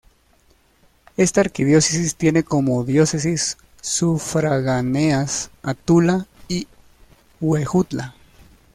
Esta arquidiócesis tiene como diócesis sufragáneas a Tula y Huejutla.